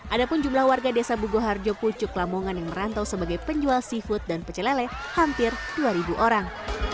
ada pun jumlah warga desa bukoharjo pucuk lamongan yang merantau sebagai penjual seafood dan pecelele hampir dua orang